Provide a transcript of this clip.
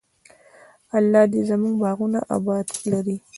الله دې زموږ باغونه اباد لري.